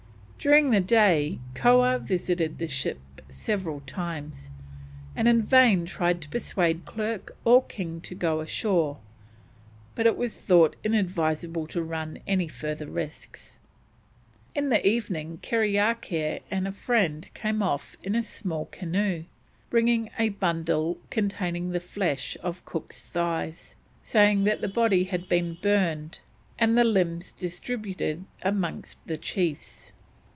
During the day Koah visited the ship several times, and in vain tried to persuade Clerke or King to go ashore, but it was thought inadvisable to run any further risks. In the evening Kerriakair and a friend came off in a small canoe bringing a bundle containing the flesh of Cook's thighs, saying that the body had been burned and the limbs distributed amongst the chiefs.